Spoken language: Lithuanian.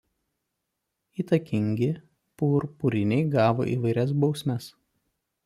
Įtakingi „purpuriniai“ gavo įvairias bausmes.